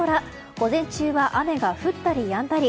午前中は雨が降ったりやんだり。